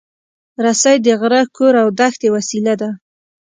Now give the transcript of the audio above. رسۍ د غره، کور، او دښتې وسیله ده.